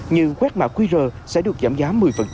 như quét mã qr sẽ được giảm giá một mươi